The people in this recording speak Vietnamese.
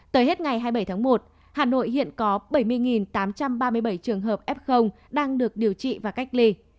tới hết ngày hai mươi bảy tháng một hà nội hiện có bảy mươi tám trăm ba mươi bảy trường hợp f đang được điều trị và cách ly